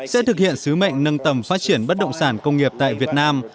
sẽ thực hiện sứ mệnh nâng tầm phát triển bất động sản công nghiệp tại việt nam